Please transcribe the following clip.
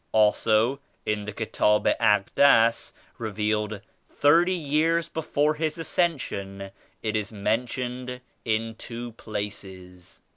Also in the Kitab el Akdas revealed thirty years before His Ascension, it is men tioned in two places.